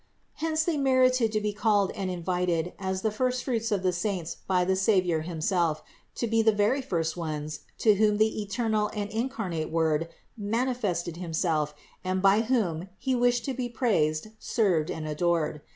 Hence they merited to be called and invited, as the first fruits of the saints by the Savior himself, to be the very first ones, to whom the eternal and incarnate Word manifested Himself and by whom He wished to be praised, served and adored.